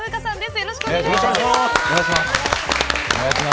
よろしくお願いします。